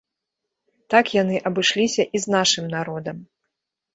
Так яны абышліся і з нашым народам.